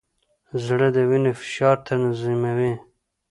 زړه د وینې فشار تنظیموي.